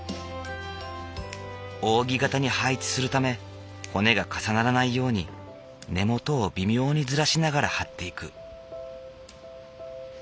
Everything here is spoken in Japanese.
扇形に配置するため骨が重ならないように根元を微妙にずらしながらはっていく。